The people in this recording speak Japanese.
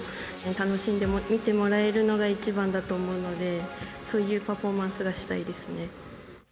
楽しんで見てもらえるのが一番だと思うので、そういうパフォーマンスがしたいですね。